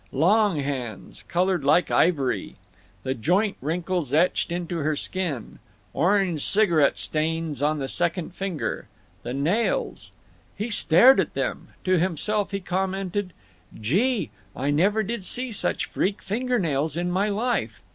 Long hands, colored like ivory; the joint wrinkles etched into her skin; orange cigarette stains on the second finger; the nails— He stared at them. To himself he commented, "Gee! I never did see such freak finger nails in my life."